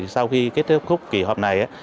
sau khi kết thúc khúc kỳ họp này